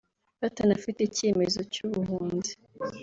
batanafite icyemezo cy’ubuhunzi